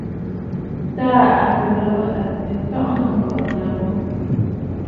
Taà à kɨ̀ lɔ̀ɔ̂ àtì ǹtɔʼɔ nɨ̂ŋgɔ̀ɔ̀ nya ghu.